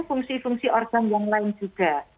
fungsi fungsi organ yang lain juga